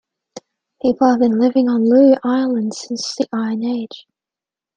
People have been living on Looe Island since the Iron Age.